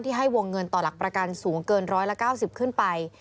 ให้วงเงินต่อหลักประกันสูงเกิน๑๙๐ขึ้นไป